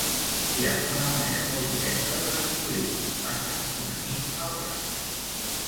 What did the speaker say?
Hi ha una manera molt directa de descobrir-ho: passant una nit al ras.